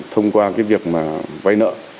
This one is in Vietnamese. thông qua việc quay nợ